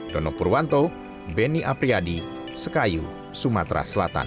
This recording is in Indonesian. dono purwanto beni apriyadi sekayu sumatera selatan